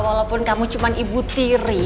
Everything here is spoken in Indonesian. walaupun kamu cuma ibu tiri